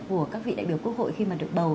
của các vị đại biểu quốc hội khi mà được bầu